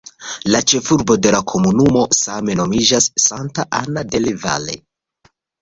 La ĉefurbo de la komunumo same nomiĝas "Santa Ana del Valle".